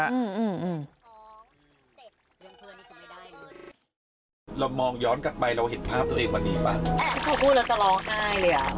เรามองย้อนกลับไปเราเห็นภาพตัวเองมาดีป่ะพูดแล้วจะร้องไห้เลยอ่ะ